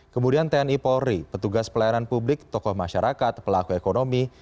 kemudian tni polri petugas pelayanan publik tokoh masyarakat pelaku ekonomi